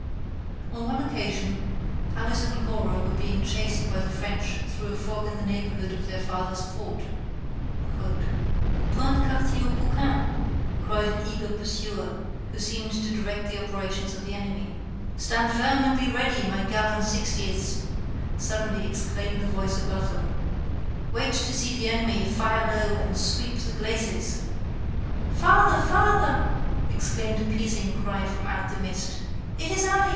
On one occasion Alice and Cora were being chased by the French through a fog in the neighborhood of their father's fort: "'Point de quartier aux coquins!' cried an eager pursuer, who seemed to direct the operations of the enemy. "'Stand firm and be ready, my gallant 60ths!' suddenly exclaimed a voice above them; wait to see the enemy; fire low, and sweep the glacis.' "'Father? father!' exclaimed a piercing cry from out the mist; 'it is I!